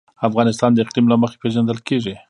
افغانستان د اقلیم له مخې پېژندل کېږي.